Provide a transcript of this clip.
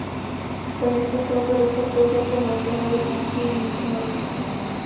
Do města se lze dostat pouze po moři nebo pomocí místního letiště.